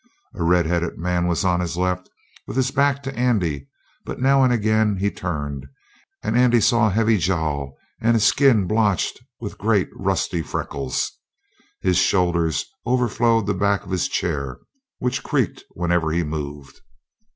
A red headed man was on his left, with his back to Andy; but now and again he turned, and Andy saw a heavy jowl and a skin blotched with great, rusty freckles. His shoulders over flowed the back of his chair, which creaked whenever he moved.